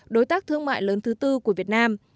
đối tác thương mại lớn thứ tư của việt nam